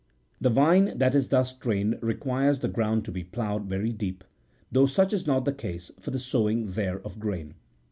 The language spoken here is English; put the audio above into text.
The vine that is thus trained requires the ground to be ploughed very deep, though such is not the case for the sowing there of grain.